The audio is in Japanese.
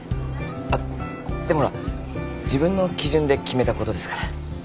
あっでもほら自分の基準で決めたことですから。